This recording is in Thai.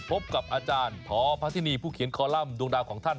พบกับอาจารย์พอพระทินีผู้เขียนคอลัมป์ดวงดาวของท่าน